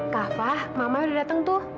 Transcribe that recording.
kava mama udah dateng tuh